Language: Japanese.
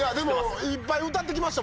いっぱい歌って来ましたもんね。